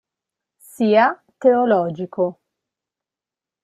Sia teologico.